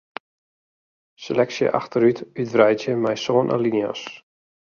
Seleksje achterút útwreidzje mei sân alinea's.